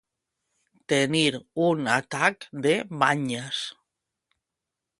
Tenir un atac de banyes.